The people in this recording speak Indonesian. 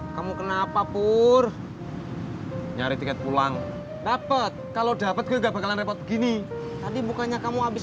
sampai jumpa di video selanjutnya